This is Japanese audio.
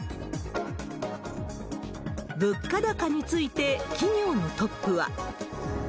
物価高について、企業のトップは。